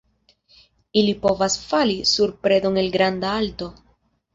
Ili povas "fali" sur predon el granda alto.